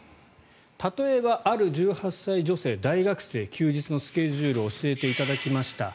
例えばある１８歳女性大学生の休日のスケジュールを教えていただきました。